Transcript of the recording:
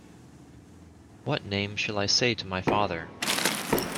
What name shall I say to my father?